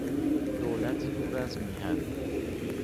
دولت دور از میهن